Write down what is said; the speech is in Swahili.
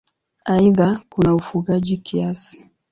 Aidha kuna ufugaji kiasi.